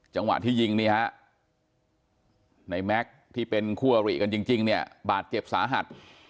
จังหวะที่ยิงนี่ฮะในแม็กซ์ที่เป็นคู่อริกันจริงเนี่ยบาดเจ็บสาหัส